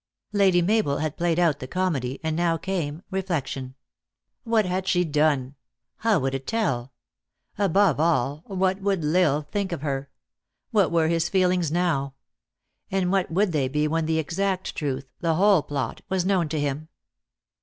Lady Mabel had played out the comedy, and now came reflection. What had she done? How would it tell ? Above all, what would L Isle think of her? What were his feelings now? And what would they THE ACTRESS IN HIGH LIFE. 377 be when the exact truth the whole plot was known to him?